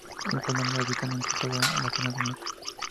En Colombia habitan ante todo en la zona del Meta.